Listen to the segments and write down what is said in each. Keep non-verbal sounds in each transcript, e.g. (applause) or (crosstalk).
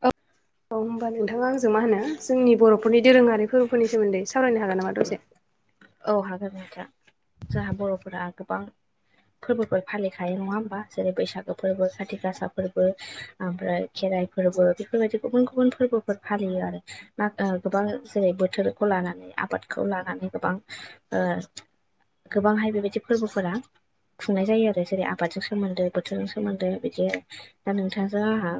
अ औ होमबा नोंथाङा आंजों मा होनो जोंनि बर'फोरनि दोरोङारि फोरबोफोरनि सोमोन्दै सावरायनो हागोन नामा दसे औ हागोन नथा जोंहा बर'फोरा गोबां फोरबोफोर फालिखायो नङा होमबा जेरै बैसागो फोरबो खाथि गासा फोरबो ओमफ्राय खेराइ फोरबो बेफोरबायदि गुबुन गुबुन फोरबोफोर फालियो आरो गोबां जेरै बोथोरखौ लानानै आबादखौ लानानै गोबां गोबांहाय बेबायदि फोरबोफोरा खुंनाय जायो आरो जेरै आबादजों सोमोन्दो बोथोरजों सोमोन्दो बिदि दा नोंथांजों आंहा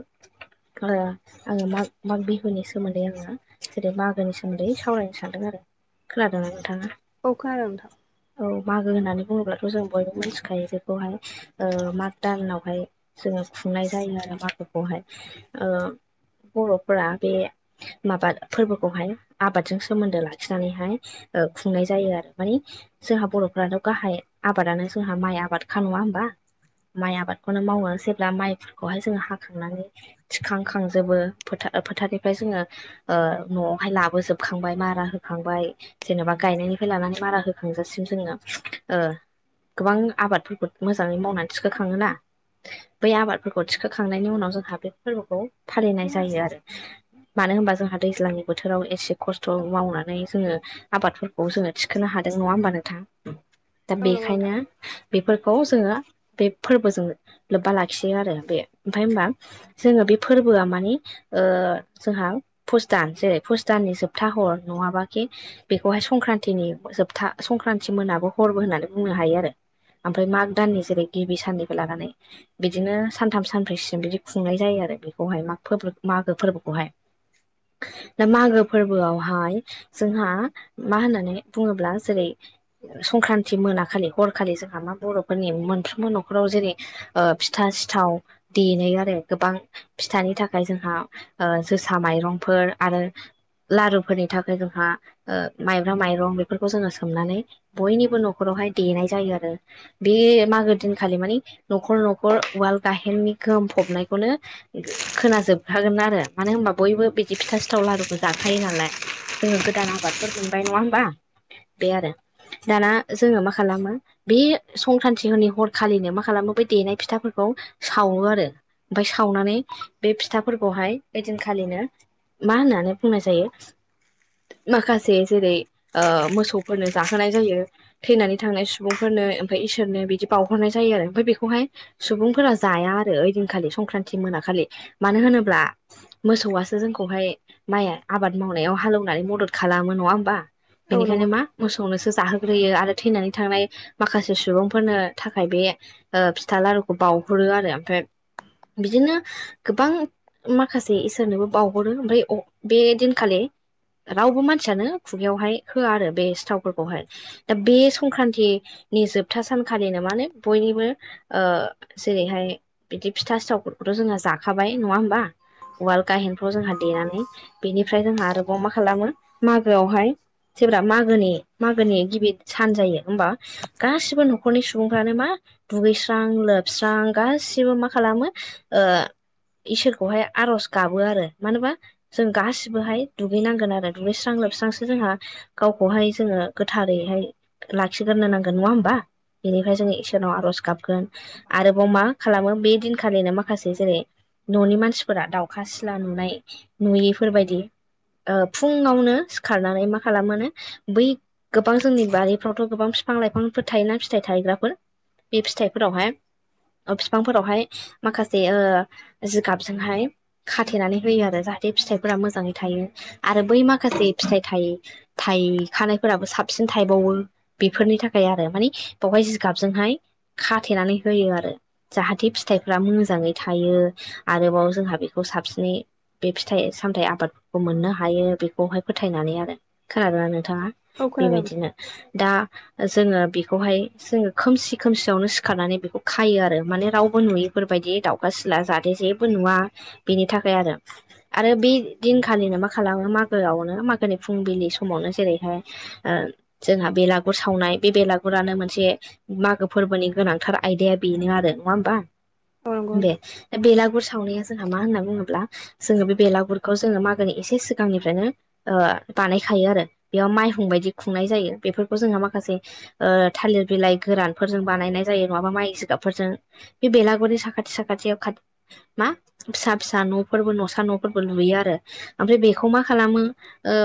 आङो माग माग बिहुनि सोमोन्दै आङो जेरै मागोनि सोमोन्दै सावरायनो सानदों आरो खोनादों ना नोंथाङा औ खोनादों नोंथां औ मागो होननानै बुङोब्लाथ' जों बयबो मिथिखायो जेखौहाय माग दाननावहाय जोङो खुंनाय जायो आरो मागोखौहाय बर'फोरा बे माबा फोरबोखौहाय आबादजों सोमोन्दो ला खिनानैहाय खुंनाय जायो आरो मानि जोंहा बर'फ्राथ' गाहाय आबादानो जोंहा माइ आबादखा नङा होमबा माइ आबादखौनो मावो जेब्ला माइफोरखौहाय जोङो हाखांनानै थिखांखांजोबो फोथार फोथारनिफ्राय जोङो ओ न'आवहाय लाबो जोबखांबाय मारा होखांबाय जेन'बा गायनायनिफ्राय लानानै मारा होखांजासिम जोङो गोबां आबादफोरखौ मोजाङै मावनानै थिखो खाङोना बै आबादफोरखौ थिखोखांनायनि उनाव जोंहा बे फोरबोखौ फालिनाय जायो आरो मानो होनबा जोंहा दैज्लांनि बोथोराव एसे खस्थ' मावना नै जोङो आबादफोरखौ जोङो थिखोनो हादों नङा होमबा नोंथां दा औ नंगौ नोंथां। बेखायनो बेफोरखौ जोङो बे फोरबोजों लोब्बा लाखियो आरो बे ओमफफ्राय हबा जोङो बे फोरबोआ माने जोंहा पुसदान जेरै फुसदाननि जोबथा हर नङाबाखि बेखौहाय संक्रान्तिनि जोबथा संक्रान्ति मोनाबो हरबो होननानै बुंनो हायो आरो ओमफ्राय माग दाननि जेरै गिबि साननिफ्राय लानानै बिदिनो सानथाम सानब्रैसिम बिदि खुंनाय जायो आरो बेखौहाय म फोर मागो फोरबोखौहाय दा मागो फोरबोआवहाय जोंहा मा होननानै बुङोब्ला जेरै संक्रान्ति मोनाखालि हरखालि जोंहा मा बर'फोरनि मोनफ्रोमबो न'खराव जेरै फिथा सिथाव देनो आरो गोबां फिथानि थाखाय जोंहा जोसा माइरंफोर आरो लारुफोरनि थाखाय जोंहा माइब्रा माइरं बेफोरखौ जोङो सोमनानै बयनिबो न'खरावहाय देनाय जायो आरो बे मागो दिनखालि माने न'खर न'खर उवाल गाहेननि गोहोम फबनायखौनो खोनाजोबखागोन आरो मानो होनबा बयबो बिदि फिथा सिथाव लारुखौ जाखायो नालाय जोङो गोदान आबादफोर मोनबाय नङा होमबा बे आरो दाना जोङो मा खालामो बे संक्रान्तिफोरनि हरखालिनो मा खालामो बे देनाय फिथाफोरखौ सावो आरो ओमफ्राय सावनानै बे फिथाफोरखौहाय ओइदिनखालिनो मा होननानै बुंनाय जायो। माखासे जेरै मोसौफोरनो जाहोनाय जायो। थैनानै थांनाय सुबुंफोरनो ओमफ्राय इसोरनो बिदि बावहरनाय जायो आरो ओमफ्राय बेखौहाय सुबुंफोरा जाया आरो ओइदिनखालि संक्रान्ति मोनाखलि मानो होनोब्ला मोसौआसो जोंखौहाय माइ आबाद मावनायाव हालौ एव नानै मदद खालामो नङा होमबा औ नंगौ बेनिखायनो मा नोंथां मोसौनोसो जाहोग्रोयो आरो थैनानै थांनाय माखासे सुबुंफोरनो थाखाय बे फिथा लारुखौ बाउहरो आरो ओमफ्राय बिदिनो गोबां माखासे इसोरनोबो बावहरो ओमफ्राय बे दिनखालि रावबो मानसियानो खुगायावहाय होआ आरो बे सिथावफोरखौहाय दा बे संक्रान्तिनि जोबथा सानखालिनो माने बयनिबो ओ जेरैहाय बिदि फिथा सिथावफोरखौथ' जोङो जाखाबाय नङा होमबा उवाल गाहेनफ्राव जोंहा देनानै बेनिफ्राय जोंहा आरोबाव मा खालामो मागोआवहाय जेब्ला मागोनि मागोनि गिबि सान जायो होमबा गासिबो न'खरनि सुबुंफ्रानो मा दुगैस्रां लोबस्रां गासिबो मा खालामो ओ इसोरखौहाय आर'ज गाबो आरो मानोबा जों गासिबोहाय दुगैनांगोन आरो दुगैस्रां लोबस्रांसो जोंहा गावखौहाय जोङो गोथारैहाय लाखिग्रोनो नांगोन नङा होमबा बेनिफ्राय जोङो इसोराव आर'ज गाब गोन आरोबाव मा खालामो बे दिनखालिनो माखासे जेरै न'नि मानसिफोरा दाउखा सिला नुनाय नुयिफोरबायदि ओ फुङावनो सिखारनानै मा खालामोनो बै गोबां जोंनि बारिफ्रावथ' गोबां फि फां लाइफांफोर थायोना फिथाइ थायग्राफोर बे फिथाइफोरावहाय ओ फिफांफोरावहाय माखासे जिगाबजोंहाय खाथेनानै होयो आरो जाहाथे फिथाइफोरा मोजाङै थायो आरो बै माखासे फिथाइ थाय थाय खानायफोराबो साबसिन थायबावो बेफोरनि थाखाय आरो माने बेावहाय जिगाबजोंहाय खाथेनानै होयो आरो जाहाथे फिथाइफ्रा मोजाङै थायो आरोबाव जोंहा बेखौ साबसिनै बे फिथाइ सामथाइ आबाद खौ मोननो हायो बेखौहाय फोथायनानै आरो खोनादोंना नोंथाङा औ खोनादों नोंथां बेबायदिनो दा जोङो बेखौहाय जोङो खोमसि खोमसियावनो सिखारनानै बेखौ खायो आरो माने रावबो नुयोफोरबायदि दाउ खा सिला जाहाथे जेबो नुवा बिनि थाखाय आरो आरो बे दिन खा लिनो मा खालामो मागोआवनो मागोनि फुंबिलि समावनो जेरैहाय ओ जोंहा बेलागुर सावनाय बे बेलागुरानो मोनसे मागो फोरबोनि गोनांथार आयदाया बेनो आरो नङा होमबा औ नंगौ बे नोंथां बेलागुर सावनाया जोंहा मा होनना बुङोब्ला जोङो बे बेलागुरखौ जोङो मा गोनि एसे सिगांनिफ्रायनो ओ बानायखायो आरो बेयाव माइहुं बायदि खुंनाय जायो बेफोरखौ जोंहा माखासे ओ थालिर बिलाइ गोरानफोरजों बानायनाय जायो नङाबा माइ जिगाबफोरजों बे बेेलागुरनि साखाथि साखाथि खाथ मा फिसा फिसा न'फोरबो न'सा न'फोरबो लुयो आरो ओमफ्राय बेखौ मा खालामो ओ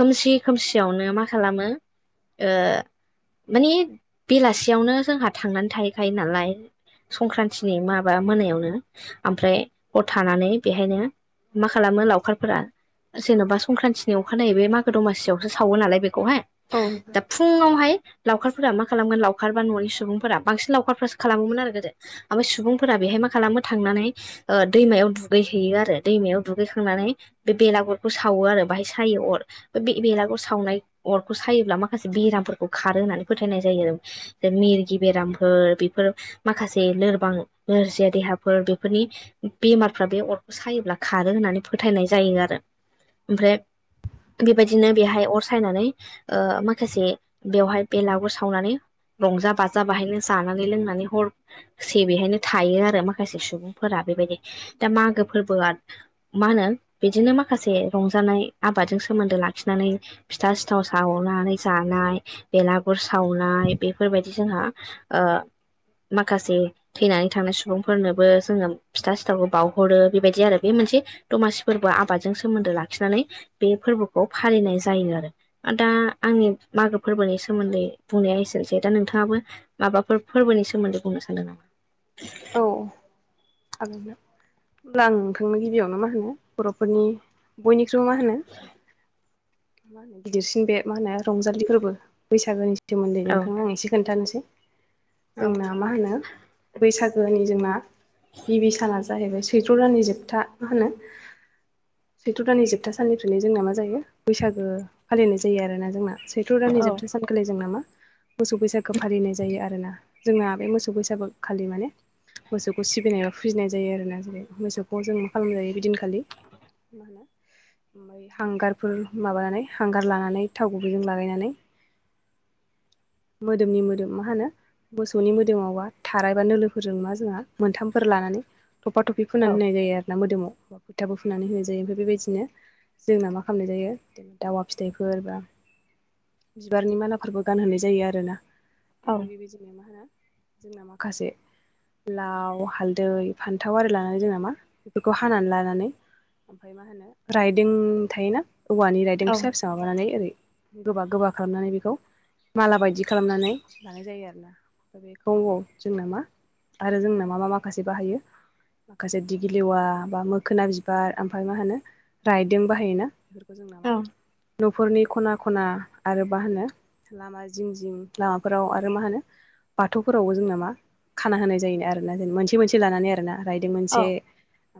खोमसि खोमसियावनो मा खालामो ओ माने बेलासियावनो जोंहा थांनानै थाहैखायो नालाय संक्रान्तिनि माबा मोनायावनो ओमफ्राय हर थानानै बेहायनो मा खालामो लाव फोरा जेन'बा संक्रान्तिनि अखानायै बे मागो दमासियावसो सावो नालाय बेखौहाय औ दा फुङावहाय लावखारफोरा मा खालामगोन लावखार बा न'नि सुबुंफोरा बांसिन लावखारफोरो खालामोमोन आरो गोदो ओमफ्राय सुबुंफोरा बेहाय मा खालामो थांनानै ओ दैमायाव दुगै हैैयो आरो दैमायाव दुगैखांनानै बे बेलागरखौ सावो आरो बाहाय सायो अर बे बे बेलागुर सावनाय अरखौ सायोब्ला माखासे बेरामफोरखौ खारो होननानै फोथायनाय जायो आरो मिरगि बेरामफोर बेफोर माखासे लोरबां नोरजिया देहाफोर बेफोरनि बेमारफ्रा बे अरखौ सायोब्ला खारो होननानै फोथायनाय जायो आरो ओमफ्राय बेबायदिनो बेहाय अर सायनानै ओ माखासे बेवहाय बेलागुर सावनानै रंजा बाजा बाहायनो जानानै लोंनानै हर से बेहायनो थायो आरो माखासे सुबुंफोरा बेबायदि दा मागो फोरबोआ मा होनो बिदिनो माखासे रंजानाय आबादजों सोमोन्दो लाखिनानै फिथा सिथाव सावनानै जानाय बेलागुर सावनाय बेफोरबायदि जोंहा ओ माखासे थैनानै थांनाय सुबुंफोरनोबो जोङो फिथा सिथाखौ बाहरो बेबायदि आरो बे मोनसे दमासि फोरबो आबादजों सोमोन्दो लाखिनानै बे फोरबोखौ फालिनाय जायो आरो दा आंनि मागो फोरबोनि सोमोन्दै बुंनाया एसेनोसै दा नोंथाङाबो माबाफोर फोरबोनि सोमोन्दै बुंनो सानदों नामा? औ हागोन अब्ला आं नोंथांनो गिबियावनो मा होनो बर'फोरनि बयनिख्रुइबो मा होनो। मा होनो गिदिरसिन बे मा होनो रंजालिफोरबो बैसागोनि सोमोन्दै औ नोंथांनो आं एसे खोन्थानोसै औ जोंना मा होनो बैसागोनि जोंना गिबि साना जाहैबाय सैथ्र' राननि जोबथा मा होनो। सैथ्र दाननि जोबथा साननिफ्रायनो जोंना मा जायो बैसागो फालिनाय जायो आरोना जोंना सै सैथ्र' दाननि औ जोबथा सानखालि जोंना मा मोसौ बैसागो फालिनाय जायो आरोना जोंना बे मोसौ बैसागो खालि माने मोसौखौ सिबिनाय बा फुजिनाय जायो आरोना जेरै मोसौखौ जों मा खालामजायो बिदिनखालि मा होनो हांगारफोर माबानानै हांगार लानानै थाव गुबैजों लागायनानै। मोदोमनि मोदोम मा होनो मोसौनि मोदोमावबा थारायबा फोरजों मा जोंहा मोनथामफोर लानानै थफा थफि फोननानै औ होनाय जायो आरोना मोदोमाव फोथाबो फुनानै होनो जायो ओमफ्राय बेबायदिनो। जोंना मा खालामनाय जायो ज' दावा फिथाइफोर बा बिबारनि मालाफोरबो गानहोनाय जायो आरोना ओमफ्राय औ बेबायदिनो मा होनो। जोंना माखासे लाव हालदै फान्थाव आरि लानानै जों नामा बेफोरखौ हानानै लानानै ओमफ्राय मा होनो राइदिं थायोना औवानि राइदिं औ फिसा फिसा। माबानानै ओरै गोबा गोबा खालामनानै बेखौ माला बायदि खालामनानै लानाय जायो आरो ना। दबाव जोंनो मा आरो जोंनो मा मा माखासे बाहायो। माखासे दिगिलिवा बा मोखोना बिबार ओमफफ्राय मा होनो रायदों बाहायोना बेफोरखौ। फोजों औ नामा? न'फोरनि खना खना आरो मा होनो लामा जिं जिं लामाफोराव आरो मा होनो। बाथौफोरावबो जोंनाामा खाना होनाय जायोन आरो ना जेन मोनसे मोनसे लानानै आरोना रायदों औ मोनसे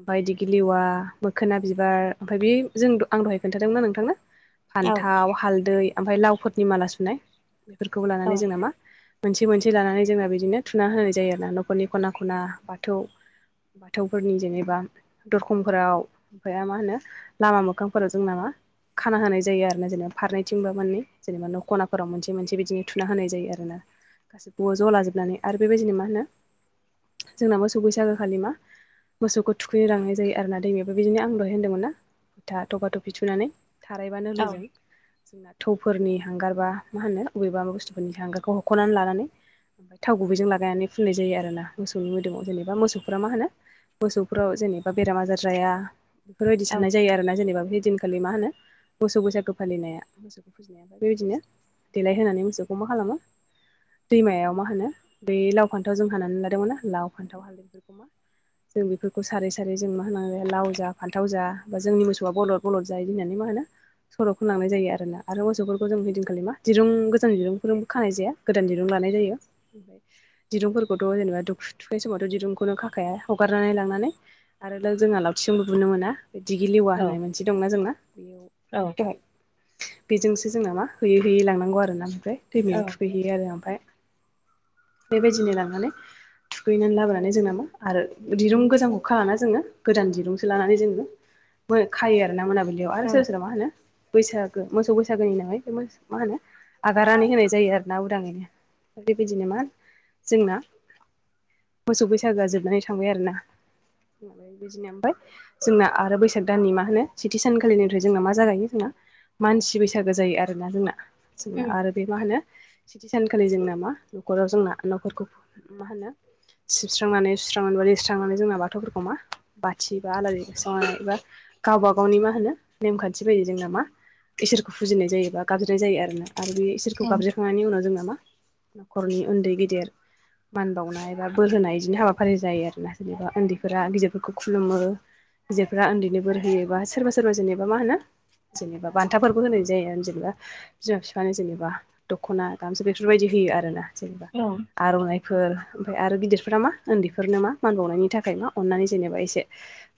ओमफ्राय दिगिलिवा मोखोना बिबार ओमफ्राय बे जों आं दहाय खोन्थादोंमोन नोंथांनो। औ फान्थाव हालदै ओमफ्राय लावफोरनि माला सुनाय बेफोरखौबो औ लानानै जोंना मा। मोनसे मोनसे लानानै जोंना बिदिनो थुना होनाय जायो आरो ना न'खरनि खना खना बाथौ। बाथौफोरनि जेनेबा दरखंफोराव ओमफ्राय मा होनो लामा मोखांफोराव जोंना मा खाना होनाय जायो आरोा जेनेबा फारनैथिंबा माने जेनेबा न' ख'नाफोराव मोनसे मोनसे बिदिनो थुना होनाय जायो आरोना गाैबोआव ज' लाजोबनानै आरो बेबायदिनो मा होनो जोंनाबो सौ बैसागो खालि मा। मोसौखौ थुखैनो लांनाय जायो आरोना दैमायाबो बिदिनो आंल' होनदोंमोन ना फोथा थफा थफि थुनानै। थाराय बा नोलोजों। जोंना थौफोरनि हांगार बा मा होनो बबेबाा बुस्थुफोरनि हांगारखौ हख'नानै लानानै। ओमफ्राय थाव गुबैजों लागायनानै फुननाय जायो आरोना मोसौनि मोदोमाव जेनेबा मोसौफोरा मा होनो। मोसौफोराव जेनेबा बेराम आजार जाया बेफोरबायदि साननाय जायो आरोना जेनेबा बे दिनखौ। खालि मा होनो मोसौ बैसागुखौ फालिनाया मोसौ। फुजिनाय बेबायदिनो देलाय होनानै मोसौखौ मा खालामो दैमायाव मा होनो बे लाव फान्थाव जों हानानै लादोंमोना लाव फान्थाव हालदै फोरखौ। (inaudible) जों बेफोरखौ सारै सारै जों मा होनांग लाव जा फान्थाव जा बा जोंनि मोसौआ बलद बलद जायो होननानै मा होनो। सर'खौ लांनाय जायो आरोना आरो मोसौफोरखौ जों हैदिनखालि मा दिरुं गोजान दिरुंफोरजोंबो खानाय जाया गोदान दिरुं दिरुं लानाय जायो दिरुंफोरखौथ' जेनेबा दुखु थुखनाय समावथ' दिरुंखौनो खाखाया हगारनानै लांनानै आरो ल जोंहा लावथि संबो बुनो मोना बे दिगि लेवा होननाय मोनसे दंना जोंना बेयाव दहाय बेजोंसो जोंना मा होयै होयै लांनांगौ आरोना ओमफ्राय दैमायाव थुखैहैयो आरो ओ मफ्राय बेबायदिनो लांनानै थुखैनानै लाबोनानै जोंनाामा आरो दिरुं गोजांखौ खाना जोङो गोदान दिरुंसो लानानै जोङो (inaudible) खायो आरोना मोनाबिलियाव आरो सोरबा सोरबा मा होनो बैसागो मोसौ बैसागोनि नाङै बे मा होनो आगारनानै होनाय जायो आरो ना उदाङैनो बेबायदिनो मा जोंना मोसौ बैसागोआ जोबनानै थांबाय आरोनाय बिदिनो ओमफ्राय जोंना आरो बैसाग दाननि मा होनो सेथि सानखालिनिफ्राय जोंना मा जागायो जोंना मानसि बैसागो जायो आरोना जोंना जोंना आरो बे मा होनो सेथि सानखालि जोंना मा न'खराव जोंना न'फोरखौ मा होनो सिबस्रांनानै सुस्रांनानै बा दैेस्रांनानै जोंना बाथौफोरखौ मा बाथि बा आलारि सावनानै एबा गावबा गावनि मा होनो नेमखान्थि बायदि जोंना मा इसोरखौ फुजिनाय जायो बा गाबज्रिनाय जायो आरोना आरो बे इसोरखौ गाबज्रिखांनायनि उनाव जोङो मा नखरनि उन्दै गेदेर मान बावनाय बा बोर होनाय इदिनो हाबाफारि जायो आरोना जेनेबा उन्दैफोरा गिदिरफोरखौ खुलुमो। गिदेफ्रा उन्दैनो बोर होयोबा सोरबा सोरबा जेनेबा मा होनो जेनेबा बान्थाफोरबो होनाय जायो आरो जेनेबा बिमा बिफानो जेनेबा दखना। गामसा बेफोरबायदि होयो आरोना जेनेबा। आर'नाइफोर ओमफ्राय आरो गिदिरफोरा मा उन्दैफोरनो मा मान बावनायनि थाखाय मा अननानै जेनेबा एसे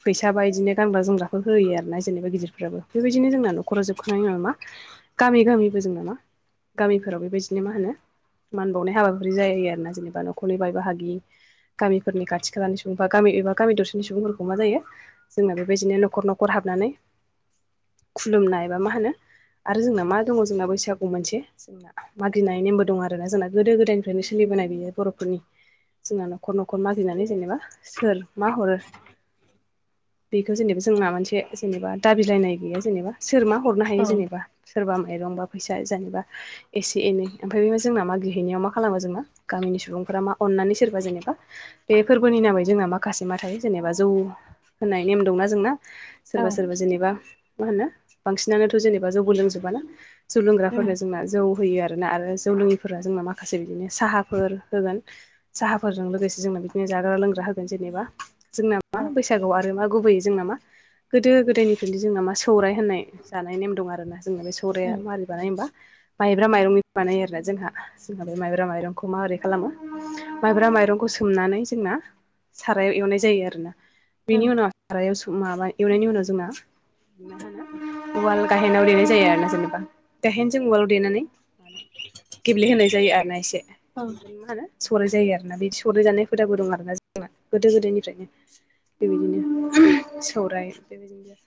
फैसाबा इदिनो गानग्रा जोमग्राफोरखो होयो आरोना जेनेबा गिदिरफ्राबो बेबायदिनो जोंना नखराव जोबखांनायनि उनावनो मा गामि गामिबो जों नामा गामिफोराव बेबायदि नो मा होनो मान बावनाय हाबाफारि जायो आरोना जेनेबा नखरनि बाय बाहागि गामिफोरनि खाथि खालानि सुबुं बा गामि एबा गामि दरसेनि सुबुंफोरखौ मा जायो जोंना बेबायदिनो नखर नखर हाबनानै खुलुमनाय बा मा होनो आरो जोंना मा दङ जोंना बैसागु मोनसे जोंना मागिनाय नेमबो दं आरोना जोंना गोदो गोदायनिफ्रायनो सोलिबोनाय बेयो बर'फोरनि जोंना नखर नखर मागिनानै जेनेबा सोर मा हरो। बेखौ जेनेबा जोंना मोनसे जेनेबा दाबिलायनाय गैया जेनेबा। सोर मा हरनो हायो जेनेबा सोरबा माइरं बा फैसा जेनेबा एसे एनै ओमफ्राय बे जोंना मागिहैनायाव मा खालामो जोङो गामिनि सुबुंफ्रा मा अननानै सोरबा जेनेबा बे फोरबोनि नामै जोंना माखासे मा थायो जेनेबा जौ होननाय नेम दंना जोंना। सोरबा सोरबा जेनेबा मा होनो बांसिनानोथ' जेनेबा जौबो लोंजोबाना? जौ लोंग्राफोरनो जोंना जौ होयो आरोना आरो जौ लोङिफोरा जोंना माखासे बिदिनो साहाफोर होगोन। साहाफोरजों लोगोसे जोंनो बिदिनो जाग्रा लोंग्रा होगोन जेनेबा। जोंना मा बैसागुआव आरो मा गुबैयै जोंना मा गोदो गोदायनिफ्रायनो जोंना मा सौराइ होननाय जानाय नेम दं आरोंना जोंना बे औ सौराइआ मारि बानाय होनबा माइब्रा माइरंनि बानायो आरोना जोंहा। जोंहा बे माइब्रा माइरंखौ मारै खालामो माइब्रा माइरंखौ सोमनानै जोंना सारायाव एवनाय जायो आरोना औ बेनि उनाव सारायाव माबाय एवनायनि उनाव जोंना उवाल गाहेनाव देनाय जायो आरोना जेनेबा गाहेनजों उवाल देनानै गेब्लेहोनाय जायो आरोना एसे बेखोनो मा होनो सौराइ जायो आरोना बिदि सौराइ जानाय हुदाबो दं आरोना जोंना गोदो गोदोनिफ्रायनो। बेबायदिनो सौराइ बेबायदिनो